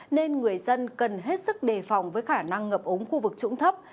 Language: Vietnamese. nên người dân cần hết sức đề phòng với khả năng ngập ống khu vực trũng thấp